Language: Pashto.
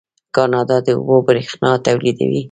کاناډا د اوبو بریښنا تولیدوي.